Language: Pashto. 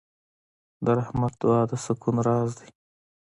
د رحمت دعا د سکون راز دی.